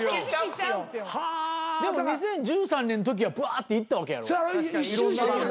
でも２０１３年のときはばっていったわけやろ？